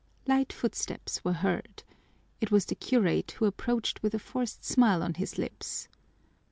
Light footsteps were heard. It was the curate, who approached with a forced smile on his lips.